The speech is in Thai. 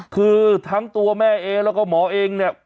คือทั้งตัวแม่เองแล้วก็หมอเองเนี่ย